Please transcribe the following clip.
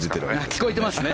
聞こえていますね。